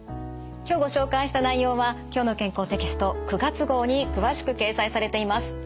今日ご紹介した内容は「きょうの健康」テキスト９月号に詳しく掲載されています。